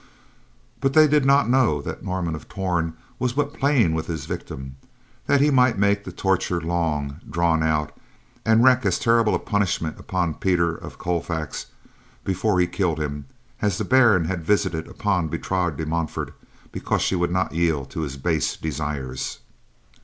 But they did not know that Norman of Torn was but playing with his victim, that he might make the torture long, drawn out, and wreak as terrible a punishment upon Peter of Colfax, before he killed him, as the Baron had visited upon Bertrade de Montfort because she would not yield to his base desires.